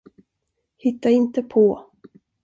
Hitta inte på.